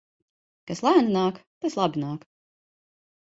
Kas lēni nāk, tas labi nāk.